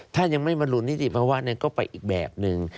ถ้ายังไม่บรรลุนนิติภาวะก็ไปอีกแบบนึง